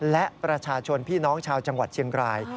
และประชาชนพี่น้องชาวจังหวัดเชียงราย